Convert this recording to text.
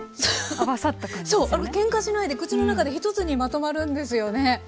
けんかしないで口の中で一つにまとまるんですよね。